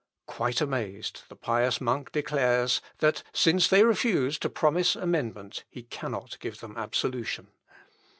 Quite amazed, the pious monk declares, that since they refuse to promise amendment, he cannot give them absolution.